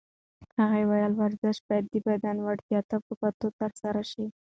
هغې وویل ورزش باید د بدن وړتیاوو ته په کتو ترسره شي.